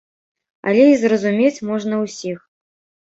Але і зразумець можна ўсіх.